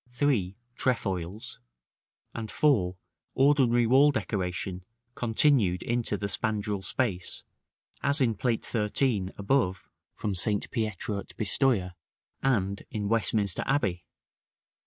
3. Trefoils; and 4, ordinary wall decoration continued into the spandril space, as in Plate XIII., above, from St. Pietro at Pistoja, and in Westminster Abbey.